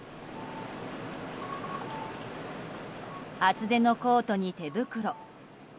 厚手のコートに手袋。